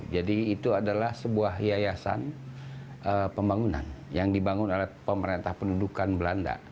jadi itu adalah sebuah hiayasan pembangunan yang dibangun oleh pemerintah pendudukan belanda